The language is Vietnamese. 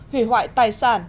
hủy hoại tài sản